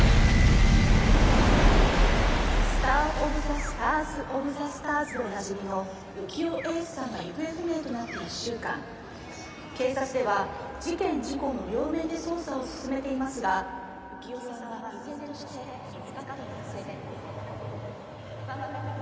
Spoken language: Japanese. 「スター・オブ・ザ・スターズオブ・ザ・スターズでおなじみの浮世英寿さんが行方不明となって１週間」「警察では事件・事故の両面で捜査を進めていますが浮世さんは依然として見つかっていません」